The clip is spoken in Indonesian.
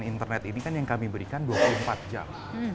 internet ini kan yang kami berikan dua puluh empat jam